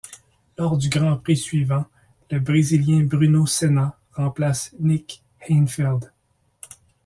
Lors du Grand Prix suivant, le Brésilien Bruno Senna remplace Nick Heidfeld.